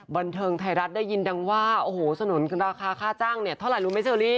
บันเทิงไทยรัฐได้ยินดังว่าโอ้โหสนุนราคาค่าจ้างเนี่ยเท่าไหร่รู้ไหมเชอรี่